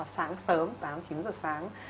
sáng sớm tám chín giờ sáng